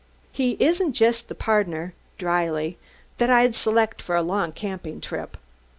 "He isn't just the pardner," dryly, "that I'd select for a long camping trip."